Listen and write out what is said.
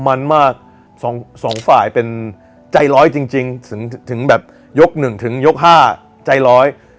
มันมากสองสองฝ่ายเป็นใจร้อยจริงจริงถึงถึงแบบยกหนึ่งถึงยกห้าใจร้อย